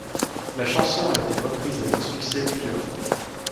La chanson a été reprise avec succès plusieurs fois.